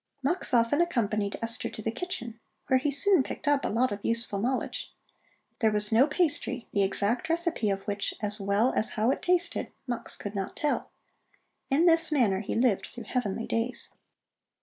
Mux often accompanied Esther to the kitchen, where he soon picked up a lot of useful knowledge. There was no pastry the exact recipe of which as well as how it tasted Mux could not tell. In this manner he lived through heavenly days.